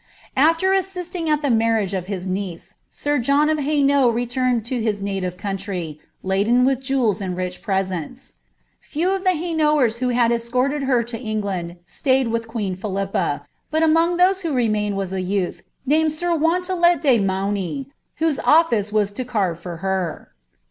Afler assisting at the marriage of his niece, sir Jnha of Uaioanll » turned to his native country, laden witli jewels and rich presents, fn of the Ilainaullers who had escorted her lo England stayed with oun PhilippB ; but among tliose who remained was a youth, nanwd air Wv> lelet de Manny,' wlioee oHice was to carve fiic her.